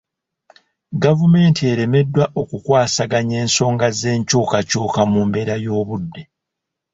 Gavumenti eremeddwa okukwasaganya ensonga z'enkyukakyuka mu mbeera y'obudde.